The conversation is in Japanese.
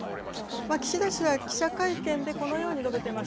岸田氏は記者会見でこのように述べています。